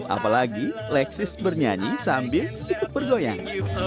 apalagi lexis bernyanyi sambil ikut bergoyang